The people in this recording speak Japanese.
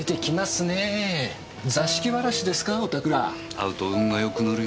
会うと運が良くなるよ。